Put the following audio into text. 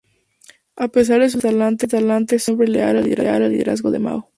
A pesar de su diferente talante, Zhou fue siempre leal al liderazgo de Mao.